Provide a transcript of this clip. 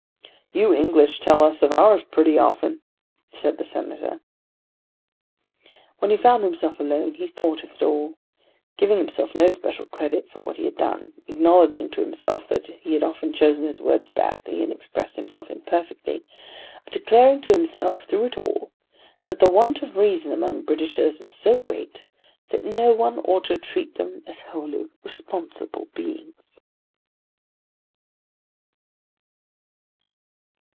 "You English tell us of ours pretty often," said the Senator. When he found himself alone he thought of it all, giving himself no special credit for what he had done, acknowledging to himself that he had often chosen his words badly and expressed himself imperfectly, but declaring to himself through it all that the want of reason among Britishers was so great, that no one ought to treat them as wholly responsible beings.